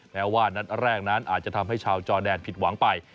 แม้ว่านัดแรกนั้นอาจจะทำให้ชาวจอแดนผิดหวังไป